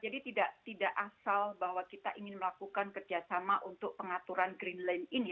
jadi tidak asal bahwa kita ingin melakukan kerjasama untuk pengaturan green lane ini